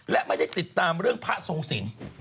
และไม่ได้ติดตามเรื่องพระทรงศิลป์